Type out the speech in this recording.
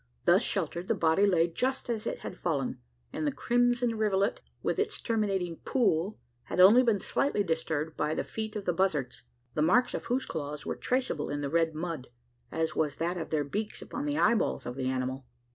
Thus sheltered, the body lay just as it had fallen; and the crimson rivulet, with its terminating "pool," had only been slightly disturbed by the feet of the buzzards the marks of whose claws were traceable in the red mud, as was that of their beaks upon the eyeballs of the animal.